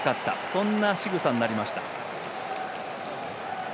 そんなしぐさになりました。